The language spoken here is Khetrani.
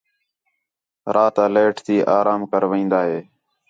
رِات آ لائیٹ تی آرام کر وہین٘دا ہِے